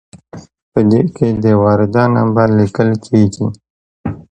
په دې کې د وارده نمبر لیکل کیږي.